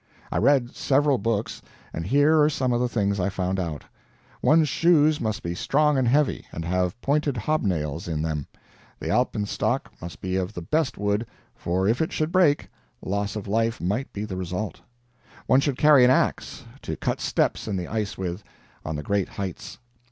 I read several books, and here are some of the things I found out. One's shoes must be strong and heavy, and have pointed hobnails in them. The alpenstock must be of the best wood, for if it should break, loss of life might be the result. One should carry an ax, to cut steps in the ice with, on the great heights.